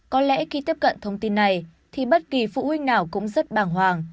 có lẽ khi tiếp cận thông tin này thì bất kỳ phụ huynh nào cũng rất bàng hoàng